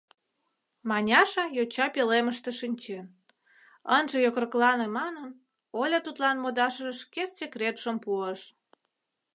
Маняша йоча пӧлемыште шинчен, ынже йокроклане манын, Оля тудлан модашыже шке Секретшым пуыш.